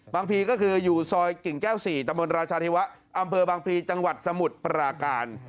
พีก็คืออยู่ซอยกิ่งแก้ว๔ตะมนตราชาเทวะอำเภอบางพลีจังหวัดสมุทรปราการ